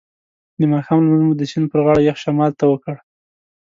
د ماښام لمونځ مو د سیند پر غاړه یخ شمال ته وکړ.